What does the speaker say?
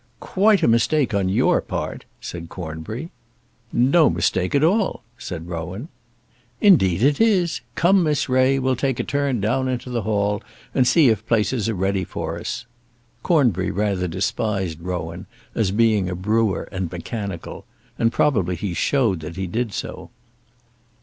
"Quite a mistake on your part," said Cornbury. "No mistake at all," said Rowan. "Indeed it is. Come, Miss Ray, we'll take a turn down into the hall, and see if places are ready for us." Cornbury rather despised Rowan, as being a brewer and mechanical; and probably he showed that he did so.